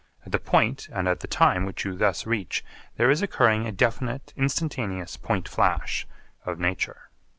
At the point and at the time which you thus reach there is occurring a definite instantaneous point flash of nature.